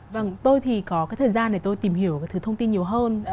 vâng tôi thì có cái thời gian để tôi tìm hiểu cái thứ thông tin nhiều hơn